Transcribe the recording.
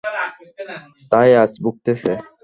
তাই আজ ভুগতেছে।